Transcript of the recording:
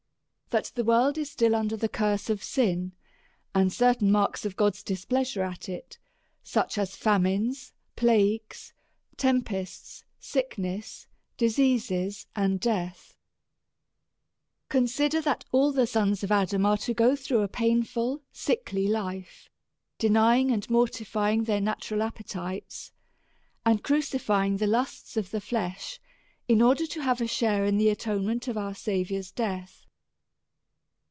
That the world is still under the curse of sin and certain marks of God's displeasure at it ; such as famines, plagues, tempests, sickness, diseases, and death. Consider that all the sons of Adam are to go through a painful, sickly life, denying and mortifying their na tural appetites, and crucifying the lust of the flesh, in order to have a share in the atonement of our Savi our's death.